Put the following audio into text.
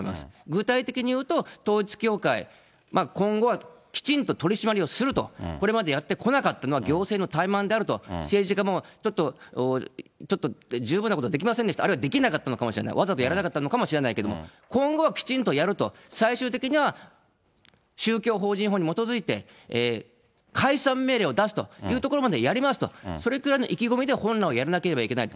具体的に言うと、統一教会、今後はきちんと取締りをすると、これまでやってこなかったのは行政の怠慢であると、政治家もちょっと十分なことはできませんでした、あるいはできなかったのかもしれない、わざとやらなかったのかもしれないけど、今後はきちんとやると、最終的には宗教法人法に基づいて、解散命令を出すというところまでやりますと、それくらいの意気込みで本来はやらなければいけない。